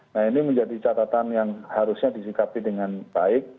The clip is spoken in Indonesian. nah ini menjadi catatan yang harusnya disikapi dengan baik